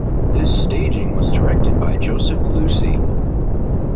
This staging was directed by Joseph Losey.